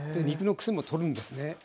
肉のクセも取るんですね。